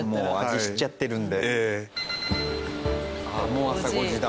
もう朝５時だ。